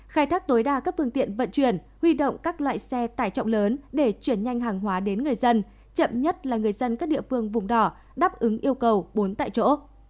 khai thác tối đa các phương tiện vận chuyển huy động các loại xe tải trọng lớn để chuyển nhanh hàng hóa đến người dân chậm nhất là người dân các địa phương vùng đỏ đáp ứng yêu cầu bốn tại chỗ